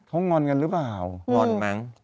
เขางอนกันหรือเปล่า